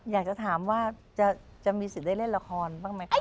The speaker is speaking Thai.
อยากจะถามว่าจะมีสิทธิ์ได้เล่นละครบ้างไหมคะ